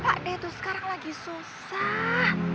pak deh itu sekarang lagi susah